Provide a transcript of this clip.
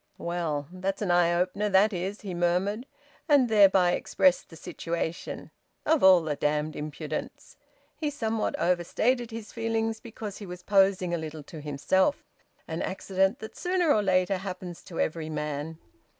"Well, that's an eye opener, that is!" he murmured, and thereby expressed the situation. "Of all the damned impudence!" He somewhat overstated his feelings, because he was posing a little to himself: an accident that sooner or later happens to every man!